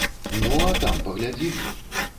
Ну, а там паглядзім!